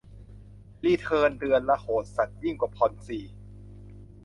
รีเทิร์นเดือนละ โหดสัสยิ่งกว่าพอนซี่